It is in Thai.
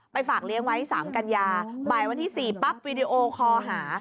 ฝากเลี้ยงไว้๓กัญญาบ่ายวันที่๔ปั๊บวีดีโอคอหา